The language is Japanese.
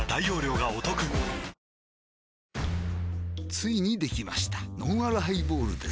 ついにできましたのんあるハイボールです